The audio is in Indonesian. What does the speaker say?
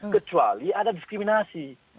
kecuali ada diskriminasi